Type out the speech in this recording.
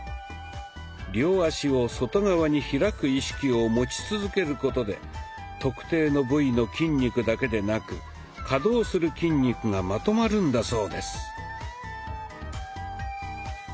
両足を外側に開く意識を持ち続けることで特定の部位の筋肉だけでなく稼働する筋肉がまとまるんだそうです。